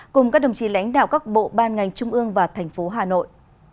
cùng các đồng chí lãnh đạo các bộ ban ngành trung ương và thành phố hà nội